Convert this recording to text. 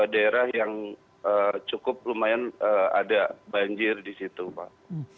daerah yang cukup lumayan ada banjir di situ pak